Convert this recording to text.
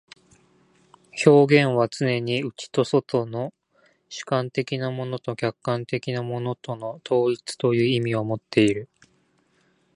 表現はつねに内と外との、主観的なものと客観的なものとの統一という意味をもっている。